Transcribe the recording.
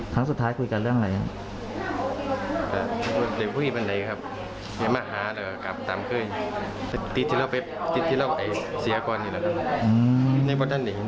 ในประวัติธรรมนี้บวดพระสงฆ์ได้นะครับ